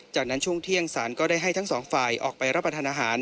จากนั้นช่วงเที่ยงสารก็ได้ให้ทั้งสองฝ่ายออกไปรับประทานอาหาร